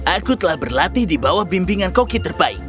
aku telah berlatih di bawah bimbingan koki terbaik